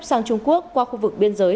sang trung quốc qua khu vực biên giới